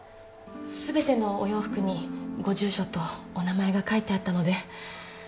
全てのお洋服にご住所とお名前が書いてあったので。